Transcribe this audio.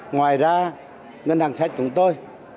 ngoài ra ngân hàng chính sách chúng tôi